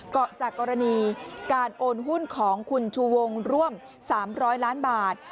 จากกรณีการโอนหุ้นของคุณชูวงร่วม๓๐๐ล้านบาท